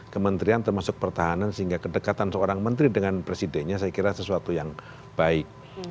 kementerian termasuk pertahanan sehingga kedekatan seorang menteri dengan presidennya saya kira sesuatu yang baik